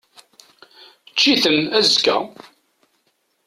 Ečč-iten, azekka!